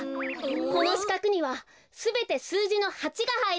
このしかくにはすべてすうじの８がはいります。